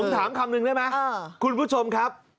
ถามคำนึงได้ไหมคุณผู้ชมครับ